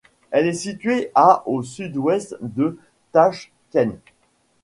Elle est située à au sud-ouest de Tachkent.